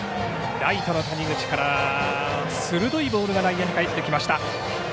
ライトの谷口から鋭いボールが内野にかえってきました。